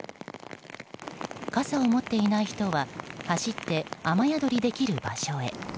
傘を持っていない人は走って雨宿りできる場所へ。